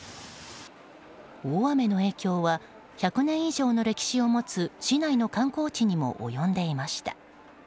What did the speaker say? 大雨の影響は１００年以上の歴史を持つ市内の観光地にも及んでいました。